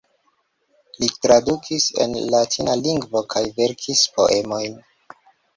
Li tradukis el latina lingvo kaj verkis poemojn.